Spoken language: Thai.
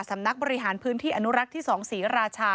สำนักบริหารพื้นที่อนุรักษ์ที่๒ศรีราชา